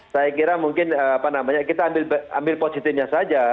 saya kira mungkin kita ambil positifnya saja